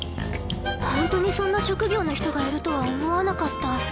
ホントにそんな職業の人がいるとは思わなかった。